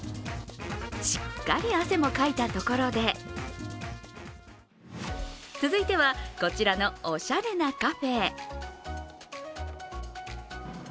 しっかり汗もかいたところで続いてはこちらのおしゃれなカフェ。